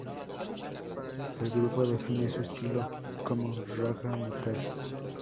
El grupo define su estilo como "Ragga metal".